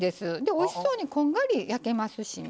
おいしそうにこんがり焼けますしね。